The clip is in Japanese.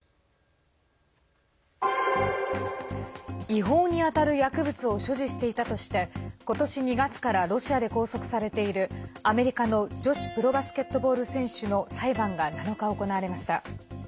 違法にあたる薬物を所持していたとしてことし２月からロシアで拘束されているアメリカの女子プロバスケットボール選手の裁判が７日、行われました。